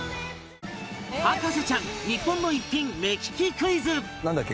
『博士ちゃん』日本の逸品目利きクイズなんだっけ？